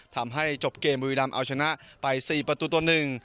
ทำให้จบเกมบุรีดำเอาชนะไป๔ประตูต่อ๑